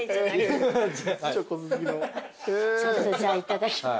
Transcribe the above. ちょっとじゃあいただきます。